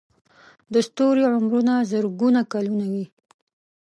د ستوري عمرونه زرګونه کلونه وي.